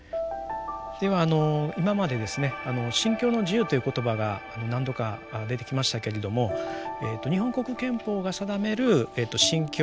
では今までですね「信教の自由」という言葉が何度か出てきましたけれども日本国憲法が定める「信教の自由」ということのですね